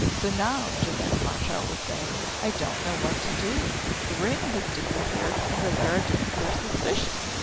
"So now," Jeannette Marechal was saying, "I don't know what to do. The ring has disappeared, and the Leridans are suspicious."